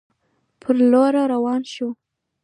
پر لور روان شو.